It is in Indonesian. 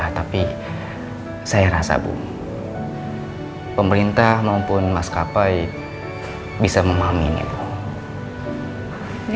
ya tapi saya rasa bu pemerintah maupun maskapai bisa memahami ini bu